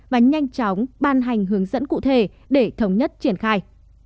và nhanh chóng ban hành hướng dẫn cụ thể để thống nhất triển khai